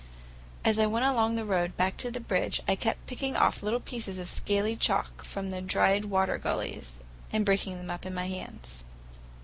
As I went along the road back to the bridge I kept picking off little pieces of scaly chalk from the dried water gullies, and breaking them up in my hands.